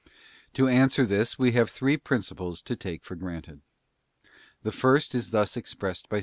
To answer this we have three principles to take for granted. The first is thus expressed by 8.